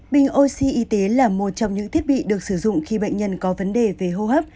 bình oxy y tế là một trong những thiết bị được sử dụng khi bệnh nhân có vấn đề về hô hấp